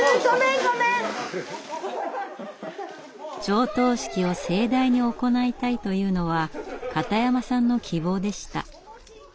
上棟式を盛大に行いたいというのは片山さんの希望でした。